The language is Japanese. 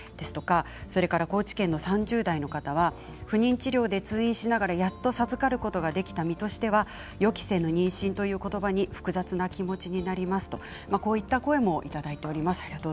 それから高知県の３０代の方は不妊治療で通院しながらやっと授かることができた身としては予期せぬ妊娠という言葉に複雑な気持ちになりますという声もいただいています。